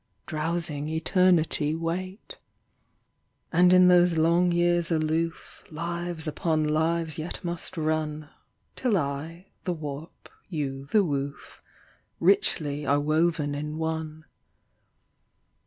Drowsing Eternity wait. RECOGNITION And in those long years aloof Lives upon lives yet must run, Till I, the warp, you, the woof, Richly are woven in one.